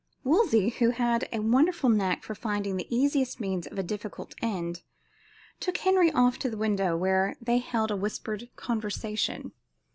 Wolsey, who had a wonderful knack for finding the easiest means to a difficult end, took Henry off to a window where they held a whispered conversation.